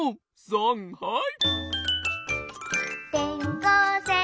さんはい！